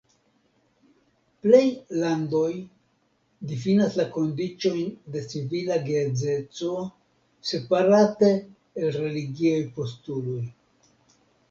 Plej landoj difinas la kondiĉojn de civila geedzeco separate el religiaj postuloj.